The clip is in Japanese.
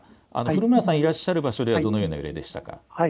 古村さんいらっしゃる場所ではどのような揺れでしたか。